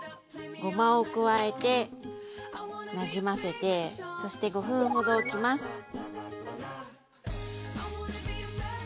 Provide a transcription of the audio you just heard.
ごまを加えてなじませてそして５分ほどおきます。